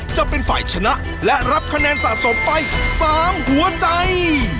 จะเป็นฝ่ายชนะและรับคะแนนสะสมไป๓หัวใจ